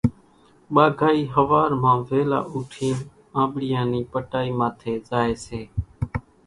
ٻاگھائِي ۿوار مان ويلا اوٺينَ آنٻڙِيئان نِي پٽائِي ماٿيَ زائيَ سي۔